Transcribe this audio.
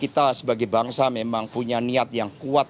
kita sebagai bangsa memang punya niat yang kuat